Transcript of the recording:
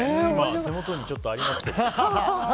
手元にちょっとありますけど。